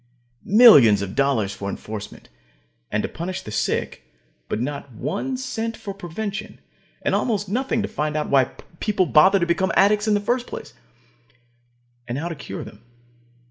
Millions of dollars for enforcement, and to punish the sick, but not one cent for prevention, and almost nothing to find out why people become addicts in the first place, and how to cure them.